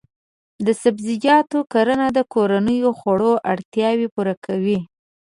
د سبزیجاتو کرنه د کورنیو خوړو اړتیاوې پوره کوي.